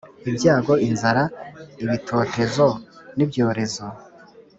ibyago, inzara, ibitotezo n’ibyorezo!